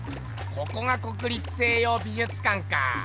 ここが国立西洋美術館か。